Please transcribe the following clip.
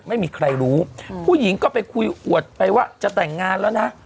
ไม่มีใครรู้ผู้หญิงก็ไปคุยอวดไปว่าจะแต่งงานแล้วนะ